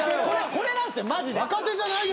これなんですよマジで。